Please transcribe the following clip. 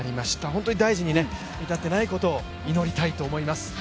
本当に大事に至っていないことを祈りたいと思います。